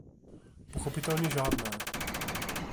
Pochopitelně žádné.